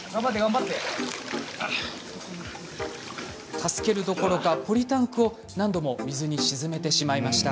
助けるどころか、ポリタンクを何度も水に沈めてしまいました。